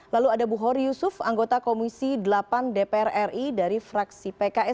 lalu ada bu hori yusuf anggota komisi delapan dpr ri dari fraksi pks